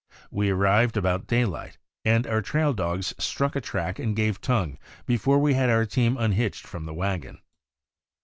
We arrived about daylight, and our trail dogs struck a track and gave tongue before we had our team unhitched from the wagon.